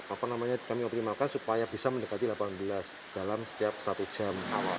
apa namanya kami optimalkan supaya bisa mendekati delapan belas dalam setiap satu jam